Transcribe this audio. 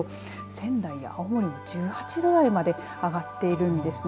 仙台や青森も１８度台まで上がっているんですね。